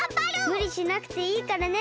むりしなくていいからね。